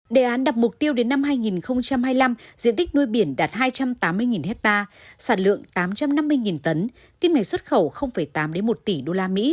đề án đặt mục tiêu đến năm hai nghìn hai mươi năm diện tích nuôi biển đạt hai trăm tám mươi hectare sản lượng tám trăm năm mươi tấn kim ngày xuất khẩu tám một tỷ usd